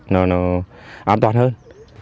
nó an toàn hơn